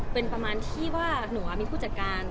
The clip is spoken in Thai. เป็นประมาณที่ว่าหนูมีผู้จัดการ